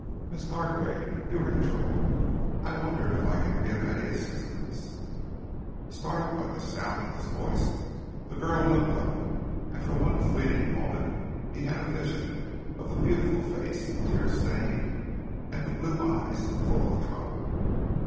"Miss Gargrave, you are in trouble. I wonder if I can be of any assistance?" Startled by the sound of his voice, the girl looked up, and for one fleeting moment he had a vision of the beautiful face, tear stained, and of the blue eyes full of trouble.